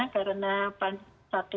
karena paling satu